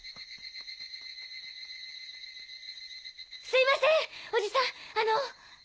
すいませんおじさんあの。